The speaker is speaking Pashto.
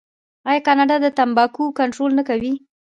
آیا کاناډا د تمباکو کنټرول نه کوي؟